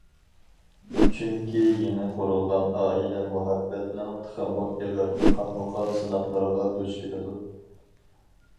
چۈنكى يېڭى قۇرۇلغان ئائىلە مۇھەببەتنىڭ تېخىمۇ ئېغىر، قاتمۇقات سىناقلىرىغا دۇچ كېلىدۇ.